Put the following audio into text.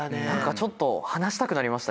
ちょっと話したくなりましたね。